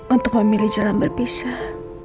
untuk memilih jalan berpisah